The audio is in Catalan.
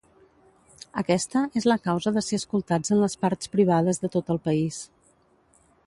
Aquesta és la causa de ser escoltats en les parts privades de tot el país.